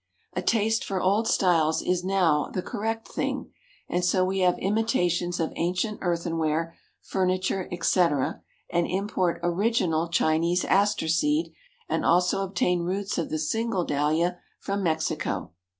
A taste for old styles is now the "correct thing," and so we have imitations of ancient earthenware, furniture, etc., and import original Chinese Aster seed, and also obtain roots of the single Dahlia from Mexico.